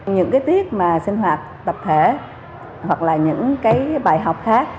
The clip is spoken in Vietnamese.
những cái tiết mà sinh hoạt tập thể hoặc là những cái bài học khác